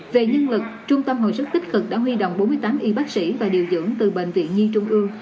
về nhân lực trung tâm hồi sức tích cực đã huy động bốn mươi tám y bác sĩ và điều dưỡng từ bệnh viện nhi trung ương